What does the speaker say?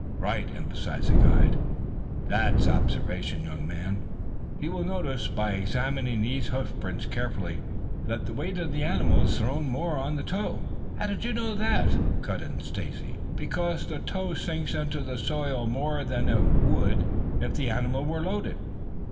"Right," emphasized the guide. "That's observation, young men. You will notice, by examining these hoofprints carefully, that the weight of the animal is thrown more on the toe " "How do you know that?" cut in Stacy. "Because the toe sinks into the soil more than it would if the animals were loaded.